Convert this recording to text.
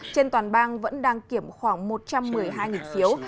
trên toàn bang vẫn đang kiểm khoảng một trăm một mươi hai phiếu